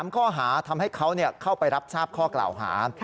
ข้อหาทำให้เขาเข้าไปรับทราบข้อกล่าวหา